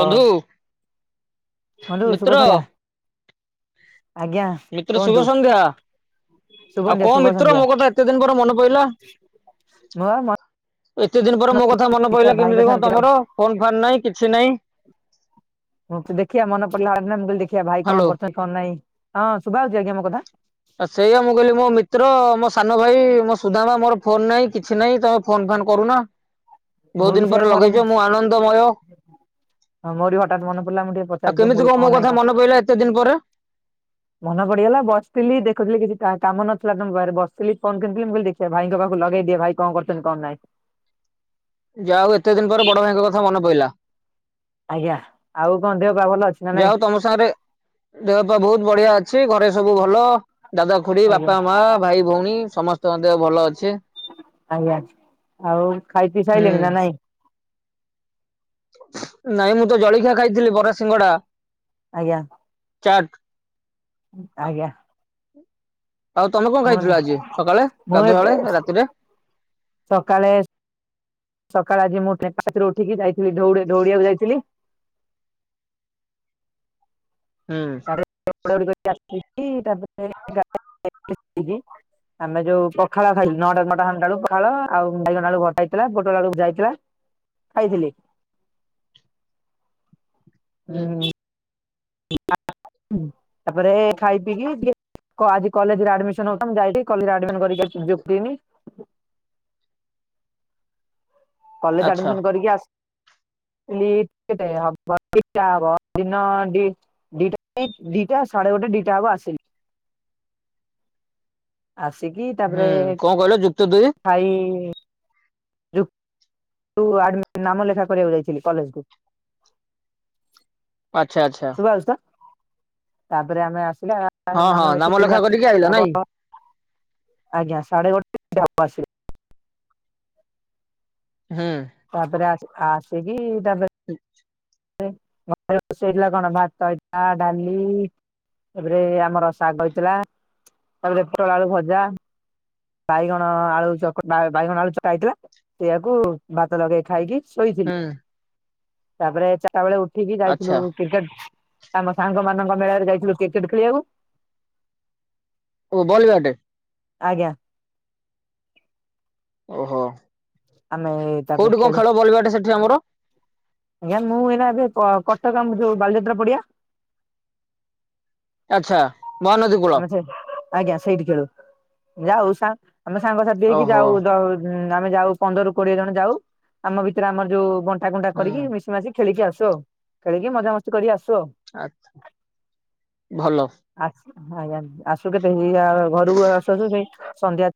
ବନ୍ଧୁ। ହାଲୁ ମିତ୍ର ଶୁଭ ସନ୍ଧ୍ୟା। ଆଜ୍ଞା ମିତ୍ର କୁହନ୍ତୁ ଶୁଭ ସନ୍ଧ୍ୟା। ଶୁଭ ଆଉ ସନ୍ଧ୍ୟା କଣ ଶୁଭ ମିତ୍ର ସନ୍ଧ୍ୟା ମୋ କଥା ଏତେ ଦିନ ପରେ ମନେ ପଇିଲା। ମୁଁ ମ ଏତେ ଦିନ ପରେ ମୋ କଥା ମନେ ଦେଖିବା ପଡିଲା ଭାଇଙ୍କ କେମିତି କଣ ସାଙ୍ଗରେ ତମର। ଫୋନ୍ ଫାନ୍ ନାହିଁ କିଛି ନାହିଁ। ହଁ ଦେଖିବା ମନ ପଡିଲା ମୁ କହିଲି ଦେଖିବା ଭାଇ କଣ ହ୍ୟାଲୋ। କରୁଛନ୍ତି କଣ ନାଇଁ ହଁ ଶଭା ହଉଛି ଆଜ୍ଞା ମୋ କଥା। ଆଛା ଏଇଆ ମୁଁ କହିଲି ମୋ ମିତ୍ର ମୋ ସାନ ଭାଇ ମୋ ସୁଧାମା ମୋର ଫୋନ ନାହିଁ କିଛି ନାହିଁ ତମେ ଫୋନ ଫାନ୍ କରୁନା ମୁଁ ବହୁତ୍ ବି ଦିନ ସେଇଆ ପରେ ମୋର ଲଗେଇଚ ମୁଁ ଆନନ୍ଦମୟ। ମୋର ବି ହଠାତ୍ ମନେ ପଡିଲା ମୁଁ ଟିକେ ଆଉ ପଚାରିଦିଏ ମୁଁ କେମିତି କହିଲି କଣ ମୋ ନାଇଁ କଥା ମନେ ପଇଲା ଏତେ ଦିନ୍‌ ପରେ। ମନେ ପଡିଗଲା ବସିଥିଲି ଦେଖୁଥିଲି କିଛି କା କାମ ନଥିଲା ତମ ପାରେ ବସଥିଲି ଫନ୍‌ କରିଥିଲି ମୁଁ କିଲି ଦେଖି ସେ ଭାଇଙ୍କ ପାଖୁ ଲଗେଇ ଦିଏ ଭାଇ କଣ କରୁଚନ୍ତି କଣ ନାଇଁ। ଯା ଓଉ ଏତେ ଦିନ ପରେ ବଡ ଭାଇଙ୍କ କଥା ମନେ ପଇିଲା। ଆଜ୍ଞା ଆଉ କଣ ଦେହ ପା ଭଲ ଅଛି। ନା ଯା ନାଇଁ ଓଉ ତମ ସାଙ୍ଗରେ ଦେହ ପା ବହୁତ୍ ବଢିଆ ଅଛି ଘରେ ସବୁ ଭଲ। ଦାଦା ଖୁଡି ଆଜ୍ଞା ବାପା ମା ଭାଇ ଭଉଣୀ ସମସ୍ତଙ୍କ ଦେହ ଭଲ ଅଛି। ଆଜ୍ଞା ଆଉ ଖାଇ ପିଇ ହୁଁ। ସାଇଲେଣି ନା ନାଇଁ। ନାଇଁ ମୁଁ ତ ଜଳିଖିଆ ଖାଇଥିଲି ବରା ସିଙ୍ଗଡା। ଆଜ୍ଞା। ଚାଟ୍। ଆଜ୍ଞା। ଆଉ ତମେ କଣ ମୁଁ ଖାଇଥିଲ ଆଜି ସକାଳେ ମୁଁ ଏବେ ଗାଧୁଆଳେ ରାତିରେ। ସକାଳେ ସକାଳେ ଆଜି ମୁଁ ଚାରିଟା ରାତିରୁ ଉଠିକି ଯାଇଥିଲି ଦଉଡି ଦଉଡିଆକୁ ଯାଇଥିଲି। ହୁଁ। ଆ ତାପରେ [unintelligible] ଆମେ ଯୋଉ ପଖାଳ ଖାଇ ନଅଟା ନଟା ସାଢେ ନଟାଳୁ ପଖାଳ ଆଉ ବାଇଗଣ ଆଳୁ ଭଜା ହେଇଥିଲା ପୋଟଳ ଆଳୁ ଭଜା ହେଇଥିଲା। ଖାଇଥିଲି। ହୁଁ। ଉଁ ତାପରେ ଖାଇ ପିଇକି ଟିକେ କ ଆଜି କଲେଜରେ ଆଡମିସନ ହୋଉଥିଲା ମୁଁ ଯାଇକି କଲେଜ ଆଡିମିସନ କରିକି ଯୋ ପିଇନି। କଲେଜ ଆଚ୍ଛା ଆଡମିସନ କରିକି ଆସ୍‌ [inaudible] [inaudible] ଦିଟା ଦିଟା ସାଢେ ଗୋଟେ ଦିଟା ହବ ଆସିଲି। ଆସିକି ହୁଁ ତାପରେ କଣ କହିଲ ଯୁକ୍ତ ଦୁଇ ଖାଇ ଯଉ ଆଡ଼ ନାମ ଲେଖା କରିବାକୁ ଯାଇଥିଲି କଲେଜ କୁ। ଆଛା ଆଛା। [unintelligible] ତାପରେ ଆମେ ଆସିଲ ହଁ ହଁ ନାମ ଲେଖିକି ଲେଖା ଆ କରିକି ଆଇଲ ସ ନାଇଁ ହବ। ଆଜ୍ଞା ସାଢେ ଗୋଟେ ହବ ଆସି ହୁଁ। ତାପରେ ଆସ ଆସିକି ତାପ [inaudible] ଘରେ ରୋଷେଇ ହେଇଥିଲା କଣ ଭାତ ଟା ଡାଲି। ତାପରେ ଆମର ଶାଗ ହେଇଥିଲା ତାପରେ [unintelligible] ଆଳୁ ଭଜା। ବାଇଗଣ ଆଳୁ ଚକ ବାଇଗଣ ଆଳୁ ଚକା ହେଇଥିଲା। ସେଆକୁ ଭାତ ଲଗେଇ ଖାଇକି ଶୋଇଥିଲି। ହୁଁ। ତାପରେ ଚାରିଟା ବେଳେ ଉଠିକି ଆଚ୍ଛା ଯାଇଥିଲୁ କ୍ରିକେଟ। ଆମ ସାଙ୍ଗମାନଙ୍କ ମେଳାରେ ଯାଇଥିଲୁ କ୍ରିକେଟ ଖେଳିବାକୁ। ଓ ବଳି ବାଟେ। ଆଜ୍ଞା। ଓହୋ ଆମେ ତାପରେ କୋଉଠି କଣ ଖେଳି ଖେଳ ବଲ ବାଟେ ସେଠି ଆମର। ଆଜ୍ଞା ମୁଁ ଏଇନା ଏବେ କଟକ ଆମ ଯୋଉ ବାଲିଯାତ୍ରା ପଡିଆ। ଆଚ୍ଛା। ମହାନଦୀ କୂଳ ଆମେ ସେ ଆଜ୍ଞା ସେଇଠି ଖେଳୁ ଯାଉ ସା ଆମେ ସାଙ୍ଗସାଥି ହେଇକି ଓହୋ ଯାଉ ଦ ହୁଁ ଆମେ ଯାଉ ପନ୍ଦରରୁ କୋଡିଏ ଜଣ ଯାଉ ଆମ ଭିତରେ ଆମର ଯୋଉ ବଣ୍ଟା କୁଣ୍ଟା ହୁଁ କରିକି ମିଶି ମାଶି ଖେଳିକି ଆସୁ ଆଉ ଖେଳିକି ମଜା ମସ୍ତି କରି ଆସୁ ଆଉ। ଆଛା ଭଲ। [unintelligible] ଆସୁ କେତେ ହେଇ ଆ ଘରକୁ ଆସୁ ଆସୁ ଯାଇ ସନ୍ଧ୍ୟା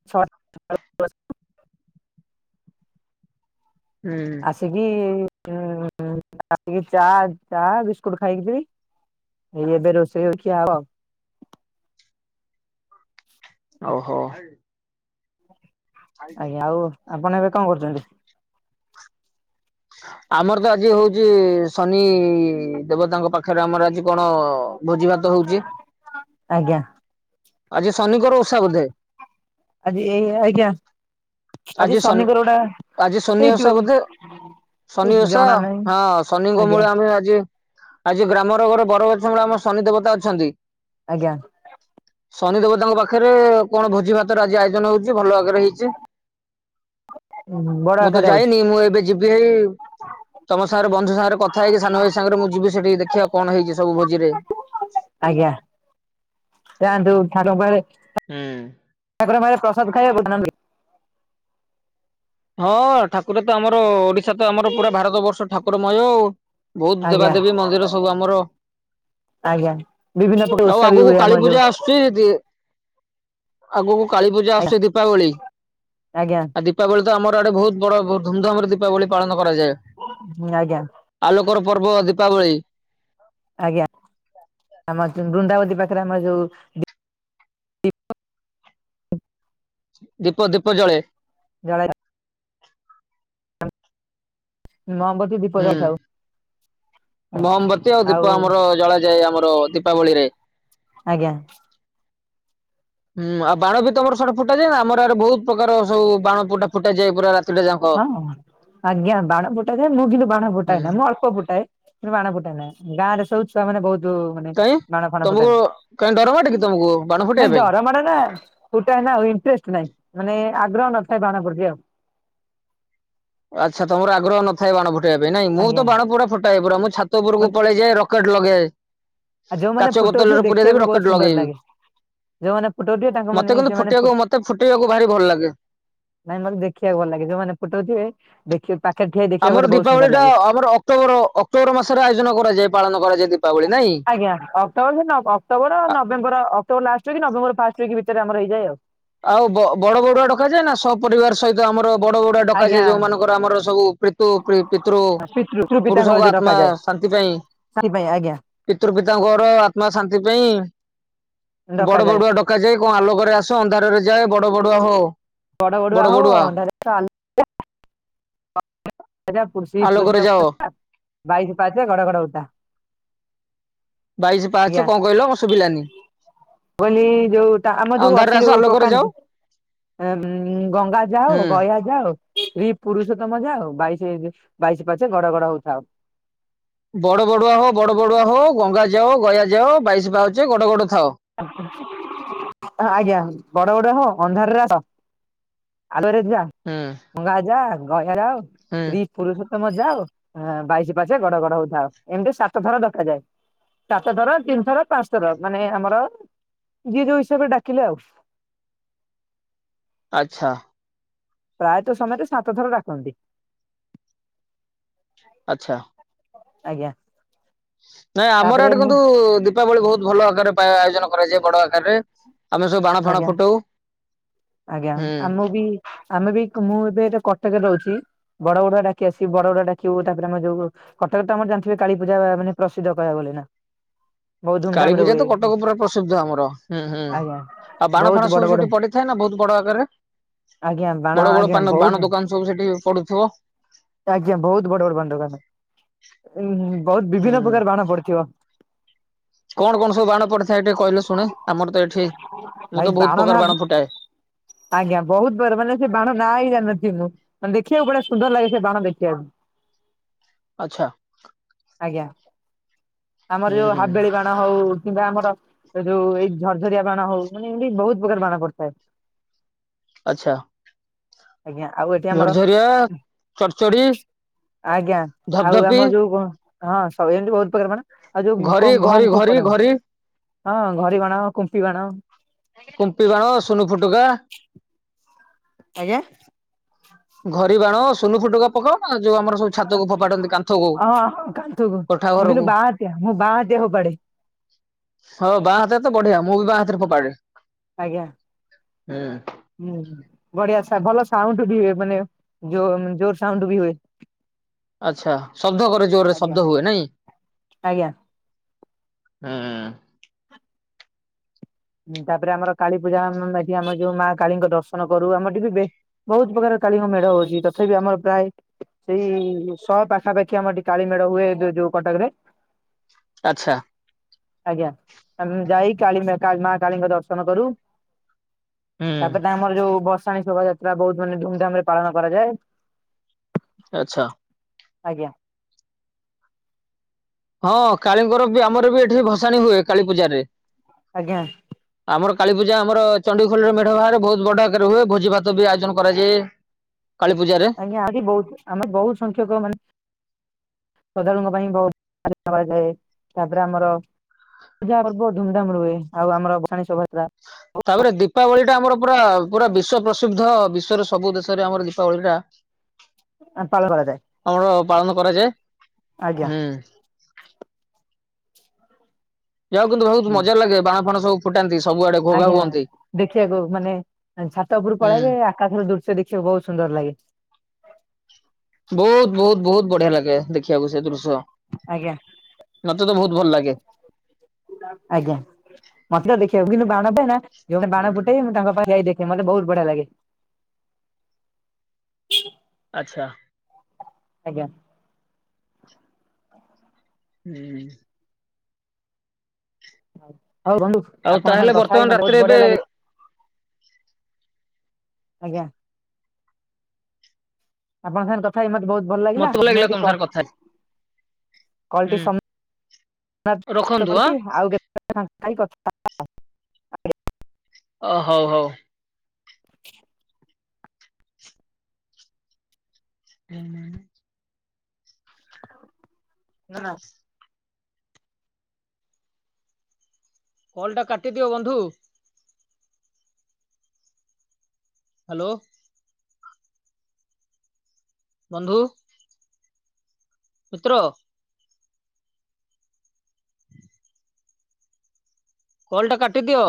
[inaudible] ହୁଁ। ଖେଳିକି [inaudible] ଚା ଚା ବିସ୍କୁଟ ଖାଇକିି ଯିବି। ଏଇ ଏବେ ରୋଷେଇ ହଉ ଖିଆହବ ଆଉ। ଓ ହୋ। ଆଜ୍ଞା ଆଉ ଆପଣ ଏବେ କଣ କରୁଛନ୍ତି? ଆମର ତ ଆଜି ହଉଚି ଶନି ଦେବତାଙ୍କ ପାଖରେ ଆମର ଆଜି କଣ ଭୋଜି ଭା ହୋଉଚି ଆଜ୍ଞା ଆଜି ଶନିଙ୍କର ଓଷା ବୋଧେ। ଆଜି ଏଇ ଆଜ୍ଞା ଆଜି ଶନିଙ୍କର ଗୋଟା ହେଇଥିବ। ହଁ [unintelligible] ଶନିଓଷା ହଁ ଶନିଙ୍କ ମୂଳେ ଆମେ ଆଜି। ଆଜି ଗ୍ରାମର ଗୋଟେ ବରଗଛ ମୂଳେ ଆମ ଶନି ଦେବତା ଅଛନ୍ତି। ଆଜ୍ଞା। ଶନି ଦେବତାଙ୍କ ପାଖରେ କଣ ଭୋଜି ଭାତର ଆଜି ଆୟୋଜନ ହଉଛି ଭଲ ଆକାରେ ହେଇଛି। ବଡ ମୁଁ ତ ଆକାରରେ ହଉଛି ଯାଇନି ମୁଁ ଏବେ ଯି ରେ ଇ ତମ ସାଙ୍ଗରେ ବନ୍ଧୁ ସାଙ୍ଗରେ କଥା ହେଇକି ସାନ ଭାଇ ସାଙ୍ଗରେ ମୁଁ ଯିବି ସେଠି ଦେଖିବାକୁ। କଣ ହେଇଛି ସବୁ ଭୋଜି ରେ? ଆଜ୍ଞା [unintelligible] ହୁଁ। ଠାକୁରଙ୍କ ପାଖରେ ପ୍ରସାଦ ଖାଇବାକୁ [unintelligible] ହଁ ଠାକୁର ତ ଆମର ଓଡି ସେତ ଆମର ପୁରା ଭାରତ ବର୍ଷ ଠାକୁରମୟ ଆଉ। ବହୁତ ଆଜ୍ଞା ଦେବାଦେବୀ ମନ୍ଦିର ସବୁ ଆମର। [unintelligible] ଆଜ୍ଞା ବିଭିନ୍ନ ପ୍ରକାର ଓଷା ବି ହୁଏ ଆମ ଯୋଉ। କିଏଜେ ଆଗକୁ କାଳୀ ପୂଜା ଆଜ୍ଞା ଆସୁଚି ଦୀପାବଳି ଆଜ୍ଞା ଆଦି ତାପରେ ତ ଆମର ଆଡେ ବହୁତ ବଡ ଧୁମଧାମରେ ଦୀପାବଳି ପାଳନ କରାଯାଏ। ଆଜ୍ଞା। ଆଲୋକର ପର୍ବ ଦୀପାବଳୀ। ଆଜ୍ଞା। ଆମର ଜେନ୍ ବୁନ୍ଦାବତୀ ପାଖରେ ଆମର ଯୋଉ ଦୀପ, ଦୀପ ଜଳେ। ଜଳ ନ ବ ହୁଁ। ମହମ୍ମବତୀ ଆଉ ଦୀପ ଆମର ଜଳାଯାଏ ଆମର ଦୀପାବଳିରେ। ଆଜ୍ଞା। ହୁଁ ଆଉ ବାଣ ବି ତମର ସାଡେ ଫୁଟାଯାଏ ନା? ଆମର ଆଡେ ବୋହୁତ ପ୍ରକାର ସବୁ ବାଣ ଫୁଟା ଫୁଟାଯାଏ। ପୁରା ରାତ ହଁ, ଆଜ୍ଞା। ବାଣ ଫୁଟା ଯଏ। ମୁଁ କିନ୍ତୁ ବାଣ ହୁଁ ଫୁଟାଏ ନା ମୁଁ ଅଳ୍ପ ଫୁଟାଏ। ମୁ ବାଣ ଫୁଟାଏନା। ଗାଁରେ ସବୁ ଛୁଆମାନେ ବହୁତ ତ୍ ମାନେ କାଇଁ ବାଣ ଫାଣ ତମକୁ କାଇଁ ଡର ମାଡେ କି ଫୁଟାନ୍ତି। ତମକୁ ବାଣ ଫୁଟେଇବା ନାଇ ପାଇଁ? ଡର ମାଡେ ନା। ଫୁଟାଏ ନା ଆଉ ଇଂଟରେଷ୍ଟ ନାଇଁ। ମାନେ ଆଗ୍ରହ ନଥାଏ ବାଣ ପ୍ରତି ଆଉ। ଆଚ୍ଛା ତମର ଆଗ୍ରହ ନ ଥାଏ ବାଣ ଫୁଟେଇବା ପାଇଁ ନାଇ? ମୁଁ ଆଜ୍ଞା ତ ବାଣ ପୁରା ଫୁଟାଏ ପୁରା। ମୁଁ ଛାତ ଉପରକୁ ମତେ ପଳେଇ ଯାଏ ରକ ରକେଟ ଲଗାଁଏ। ଆଉ ଯୋଉମାନେ କାଚ ଫଟୋ ଉଠିବେ ବୋତଲରେ ପୂରେଇ ଦେବି ଦେଖିବାକୁ ବହୁତ ରକେଟ ସୁନ୍ଦର ଲଗେଇବି। ଲାଗେ ଯୋଉମାନେ ଫଟୋ ଉଠିବେ ତାଙ୍କ ମତେ ମାନେ କିନ୍ତୁ ସେମାନେ ଫୋ ଫୁଟେଇବାକୁ ମତେ ଫୁଟେଇବାକୁ ଭାରି ଭଲ ଲାଗେ। ନାଇଁ ମତେ ଦେଖିବାକୁ ଭଲ ଲାଗେ। ଯୋଉମାନେ ଫୁଟଉଥିବେ। ଦେଖିବେ ପାଖରେ ଠିଆ ହେଇ ଦେଖିବାକୁ ଆମର ମତେ ବହୁତ ଦୀପାବଳି ସୁନ୍ଦର ଟା ଲାଗେ। ଆମର ଅକ୍ଟୋବର ଅକ୍ଟୋବର ମାସରେ ଆୟୋଜନ କରାଯାଏ। ପାଳନ କରାଯାଏ ଦୀପାବଳି ନାଇଁ? ଆଜ୍ଞା। ଅକ୍ଟୋବ ନ ଅକ୍ଟୋବର ନଭେମ୍ବର ଅକ୍ଟୋବର ଲାଷ୍ଟ କି ନଭେମ୍ବର ଫାଷ୍ଟ ୱିକ ଭିତରେ ଆମର ହେଇଯାଏ ଆଉ। ଆଉ ବ ବଡ ବଡୁଆ କଡକାଯାଏ ନା ସ ପରିବାର ସହିତ ଆମର ବଡ ବୋଡ ଆ ଆଜ୍ଞା ଡକାଯାଏ ଯୋଉମାନଙ୍କର ଆମର ସବୁ ପିତୁ ପି ପିତୃ ପିତୃ ପିତାଙ୍କ ପୁରୁଷଙ୍କ ଯୋଉ ଆତ୍ମା ଡକାଯାଏ ଶାନ୍ତି ପାଇଁ ସେଥିପାଇଁ ଆଜ୍ଞା ପିତୃ ପିତାଙ୍କର ଆତ୍ମା ଶାନ୍ତି ପାଇଁ ବଡ ଡକାଯାଏ। ବଡୁଆ ଡ କାଯାଏ କଣ ଆଲୋକରେ ଆସ ଅନ୍ଧାରରେ ଯାଏ ବଡ଼ ବଡୁଆ ହୋ। ବଡ଼ ବଡ଼ୁଆ ବଡ ହୋ ବଡୁଆ [unintelligible] [unintelligible] ପୁରୁଷ ଆଲୋକରେ ଯାଅ ପୁରୁଷୋତ୍ତମ [unintelligible] ବାଇଶ ପାହଚେ ଘଡଘଡ ହଉଥା। ବାଇଶ ପାହଚେ ଆଜ୍ଞା। କଣ କହିଲ ମତେ ଶୁଭିଲାନି। ବୋଇଲି ଯୋଉ ଆମ ଯୋଉ ଅନ୍ଧାରରେ ଅସି ଆସ ଯୋଉ ଆଲୋକରେ ଯାଅ ପକାନ୍ତି। ଏ ଗଙ୍ଗା ହୁଁ। ଯାଉ ଗୟା ଯାଉ। ଶ୍ରୀ ପୁରୁଷ ତମ ଯାଉ। ବାଇଶ ବାଇଶ ପାହଚେ ଗଡ ଗଡ ହଉଥାଉ। ବଡ ବଡୁଆ ହୋ ବଡ ବଡୁଆ ହୋ ଗଙ୍ଗା ଯାଅ ଗୟା ଯାଅ ବାଇଶ ପାଉଚେ ଗଡ ଗଡୁ ଥାଅ। ହଁ ଆଜ୍ଞା ବଡ ବଡ ହ ଅନ୍ଧାରରେ ଆସ। ଆଲୋ ରେ ଜା ହୁଁ। ଗଙ୍ଗା ଯା ଗୟ ଯା ହୁଁ। ରି ପୁରୁଷୋତ୍ତମ ଯାଅ ଆଉ ବାଇଶି ପାହାଚେ ଗଡ ଗଡ ହଉଥାଉ ଏମିତି ସାତ ଥର ଡକାଯାଏ ସାତ ଥର ତିନି ଥର ପାଞ୍ଚ ଥର ମାନେ ଆମର ଯିଏ ଯୋଉ ହିସାବରେ ଡାକିଲେ ଆଉ। ଆଚ୍ଛା ପ୍ରାୟତଃ ସମସ୍ତେ ସାତ ଥର ଡାକନ୍ତି ଆଚ୍ଛା ଆଜ୍ଞା ନାଇଁ ଆମର ତାପରେ ଏଆଡେ ମୁଁ କିନ୍ତୁ ଦୀପାବଳି ବହୁତ ଭଲ ଆକାରରେ ଆୟୋଜନ କରାଯାଏ ବଡ ଆକାରରେ ଆମେ ସବୁ ବାଣ ଫାଣ ଆଜ୍ଞା ଫୁଟଉ ଆଜ୍ଞା ହୁଁ ଆମ ବି ଆମେ ବି ମୁଁ ଏବେ ଏ କଟକରେ ରହୁଛି ବଡବଡୁଆ ଡାକି ଆସିବୁ ବଡବଡୁଆ ଡାକିବୁ ତାପରେ ଆମର ଯୋଉ କଟକ ତ ଆମର ଜାଣିଥିବେ କାଳୀ ପୂଜା ମାନେ ପ୍ରସିଦ୍ଧ କହିବା କୁ ଗଲେ ନା ବହୁତ ଧୁମଧାମ ରେ କାଳୀପୂଜା ହୁଏ ତ ଏଠି। କଟକ ପୁରା ପ୍ରସିଦ୍ଧ ଆମର ହୁଁ ହୁଁ ଆଜ୍ଞା ଆଉ ବାଣ ବହୁତ ଫାଣ ବଡ ସବୁ ବଡ ସେଠି ପଡି ଥାଏ ନା ବହୁତ ବଡ ଆକାରେ ଆଜ୍ଞା ବାଣ ବଡ ବଡ ଆଜ୍ଞା ପାନ ବହୁତ ବାଣ ଦୋକାନ ସବୁ ସେଠି ପଡୁଥିବ ଆଜ୍ଞା ବହୁତ ବଡ ବଡ ବାଣ ଦୋକାନ ବହୁତ ହୁଁ ବିଭିନ୍ନ ପ୍ରକାର ବାଣ ପଡିଥିବ କଣ କଣ ସବୁ ବାଣ ପଡିଥାଏ ଏଠି କହିଲେ ଶୁଣ ଆମର ତ ଏଠି ମୁଁ ଭାଇ ତ ବହୁତ ନା ପ୍ରକାର ବାଣ ଫୁଟାଏ। ଆଜ୍ଞା ବହୁତ ବଡ ମାନେ ସେ ବାଣ ଗାଁ ହେଇ ଜାଣିନଥିବି ଦେଖିବାକୁ ବଡ଼ିଆ ସୁନ୍ଦର ଲାଗେ ସେ ବାଣ ଦେଖିବାକୁ ଆଚ୍ଛା ଆଜ୍ଞା ଆମର ହୁଁ ଯୋଉ ହୁଁ ହାବିଲୀ ବାଣ ବାଣ ହଉ କିମ୍ବା ଆମର ଏ ଯୋଉ ଏଇ ଝରଝରିଆ ବାଣ ହଉ ମାନେ ଏମତି ବହୁତ ପ୍ରକାର ବାଣ ପଡିଥାଏ ଆଚ୍ଛା ଆଜ୍ଞା ଆଉ ଏଠି ଆମର ଝରଝରିଆ ଚଡଚଡି ଆଜ୍ଞା ଆଉ ଧପଧପି ଆମର ଯୋଉ ହଁ ଏମିତି ବହୁତ ପ୍ରକାର ମାନେ ଆଉ ଘରି ଯୋଉ ଘରି ବମ୍ ଘରି ଫୋପଡି ଘରି ହଁ ଘରି ବାଣ କୁମ୍ପି ବାଣ କୁମ୍ପି ବାଣ ସୁନୁ ଫୁଟୁକା ଆଜ୍ଞା ଘରି ବାଣ ସୁନୁ ଫୁଟକା ପକାଅ ନା ଯୋଉ ଆମର ସବୁ ଛାତକୁ ଫୋପାଡନ୍ତି କାନ୍ଥକୁ ଓ କାନ୍ତ ମୁଁ କୋଠା ଘରକୁ। କହିଲୁ ବାଁହାତ୍ୟା ମୁଁ ବାଁହାତ୍ୟା ହବ ପୋଫାଡେ ହଁ ବାଁ ହାତରେ ତ ବଢିଆ ମୁଁ ବି ବାଁ ହାତରେ ପୋଫାଡେ ଆଜ୍ଞା ହୁଁ ହୁଁ ବଢିଆ ଭଲ ସାଉଣ୍ଡ ବି ହୁଏ ମାନେ ଜୋର ସାଉଣ୍ଡ ବି ହୁଏ ଆଚ୍ଛା ଶବ୍ଦ କରେ ଜୋରରେ ଆଜ୍ଞା ଶବ୍ଦ ହୁଏ ନାଇଁ ଆଜ୍ଞା ହୁଁ ହଁ ତାପରେ ଆମର କାଳୀପୂଜା ଏଠି ଆମେ ଯୋଉ ମା କାଳୀଙ୍କ ଦର୍ଶନ କରୁ। ଆମର ଟିକେ ବି ବେ ବହୁତ ପ୍ରକାର କାଳୀଙ୍କ ମେଢ ହଉଚି ତଥାପି ଆମର ପ୍ରାୟ ସେଇ ସମ ପାଖାପାଖି ଆମର ଏଠି କାଳୀ ମେଢ ହୁଏ ଯୋଉ କଟକ ରେ। ଆଚ୍ଛା। ଆଜ୍ଞା ଆମେ ଯାଇ କାଳୀ ମା କାଳୀଙ୍କ ଦର୍ଶନ କରୁ। ହୁଁ ତାପରେ ଆମର ଯୋଉ ଭଷାଣି ଶୋଭାଯାତ୍ରା ବହୁତ ମାନେ ଧୁମଧାମ ରେ ପାଳନ କରାଯାଏ। ଆଚ୍ଛା। ଆଜ୍ଞା। ହଁ କାଳୀଙ୍କର ବି ଆମର ବି ଏଠି ଭସାଣି ହୁଏ କାଳୀ ପୂଜାରେ। ଆଜ୍ଞା। ଆମର କାଳୀପୂଜା ଆମର ଚଣ୍ଡିଖୋଲରେ ମେଢ ବାହାରେ ବହୁତ ବଡ ଆକାରରେ ହୁଏ, ଭୋଜି ଭାତ ବି ଆୟୋଜନ କରାଯାଏ। କାଳୀ ପୂଜାରେ ଆଜ୍ଞା ଆ ବହୁତ ଆମେ ବହୁତ ସଂଖ୍ୟକ ମାନେ ଶ୍ରଦ୍ଧାଳୁଙ୍କ ପାଇଁ ବହୁତ ଆବିଷ କରାଯାଏ। ତାପରେ ଆମର ପୂଜା ପର୍ବ ଧୁମ ଧାମ ରେ ହୁଏ। ଆଉ ଆମର ଗଣେଶ ଭଷା ତାପରେ ଦୀପାବଳି ଟା ଆମର ପୁରା ପୁରା ବିଶ୍ଵ ପ୍ରସିଦ୍ଧ, ବିଶ୍ୱ ରେ ସବୁ ଦେଶରେ ଆମର ଦୀପାବଳିଟା ପାଳନ କରାଯାଏ। ଆମର ପାଳନ କରାଯାଏ। ଆଜ୍ଞା ହୁଁ। ଯାହା ହୋଉ କିନ୍ତୁ ବହୁତ ମଜ ଲାଗେ ବାଣ ଫାଣ ସବୁ ଫୁଟାନ୍ତି ସବୁଆ ଆଜ୍ଞା ଦେଖିବାକୁ ମାନେ ଛାତ ଉପରୁ ହୁଁ। ପଳେଇବେ ପାଖରେ ଦୃଶ୍ୟ ଦେଖିବାକୁ ବହୁତ ସୁନ୍ଦର ଲାଗେ। ବହୁତ ବହୁତ ବହୁତ ବଢିଆ ଲାଗେ ଦେଖିବାକୁ ସେ ଦୃଶ୍ୟ। ଆଜ୍ଞା ମତେ ତ ବହୁତ ଭଲ ଲାଗେ। ଆଜ୍ଞା ମତେ ତ ଦେଖିବାକୁ କିନ୍ତୁ ବାଣ ପାଇଁ ନା ଯୋଉମାନେ ବାଣ ହୁଁ ଫୁଟେଇ ମୁଁ ତାଙ୍କ ପାଖରେ ଯାଇ ଦେଖ ସେ ମତେ ବହୁତ ବଢିଆ ଲାଗେ। ଆଚ୍ଛା। ଆଜ୍ଞା। ହୁଁ। ହଉ ବନ୍ଧୁ ଆଉ ଆପଣଙ୍କ ତାହେଲେ ସାଙ୍ଗେ କଥା ବର୍ତ୍ତମାନ ହେଇ ମତେ ରାତିରେ ବହୁତ ଏବେ ବଢିଆ ଲାଗିଲା। ଆଜ୍ଞା। ଆପଣଙ୍କ ସାଙ୍ଗ କଥାଇ ମତେ ବହୁତ ଭଲ ଲାଗିଲା। ମତେ ମୁ ଏଇଠି ତମ କ ସାଙ୍ଗରେ କଥା ହେଇ। କଲ ଟି ହୁଁ ସମାପ୍ତ ରଖନ୍ତୁ ଆଁ କରୁଚି, ଆଉକେତେବେଳ ଫାଙ୍କା ହେଇ କଥା ହବା। ଅ ହଉ ହଉ। ହୁଁ। ନା। କଲ ଟା କାଟିଦିଅ ବନ୍ଧୁ? ହ୍ୟାଲୋ। ବନ୍ଧୁ। ମିତ୍ର। କଲଟା କାଟିଦିଅ।